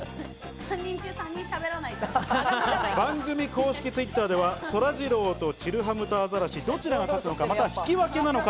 番組公式Ｔｗｉｔｔｅｒでは、そらジローと、ちるハムとあざらし、どちらが勝つのか、また引き分けなのか